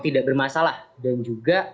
tidak bermasalah dan juga